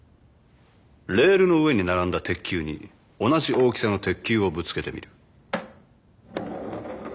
レールの上に並んだ鉄球に同じ大きさの鉄球をぶつけてみる